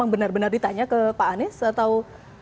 benar benar ditanya ke pak anies atau